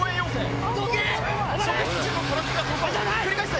繰り返す！